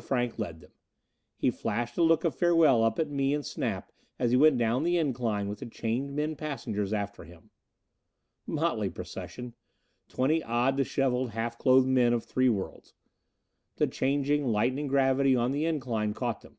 Frank led them. He flashed a look of farewell up at me and Snap as he went down the incline with the chained men passengers after him. Motley procession! Twenty odd, dishevelled, half clothed men of three worlds. The changing, lightening gravity on the incline caught them.